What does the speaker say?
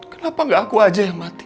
kenapa gak aku aja yang mati